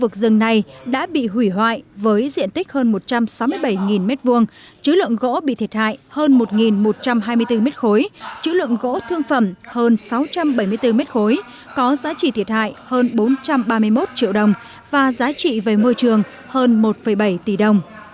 có giá trị thiệt hại hơn bốn trăm ba mươi một triệu đồng và giá trị về môi trường hơn một bảy tỷ đồng